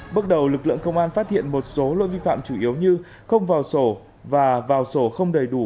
bước đầu lực lượng công an phát hiện một số lỗi vi phạm chủ yếu như không vào sổ và vào sổ không đầy đủ